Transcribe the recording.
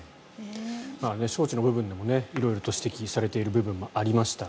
招致の部分でも色々と指摘されている部分もありました。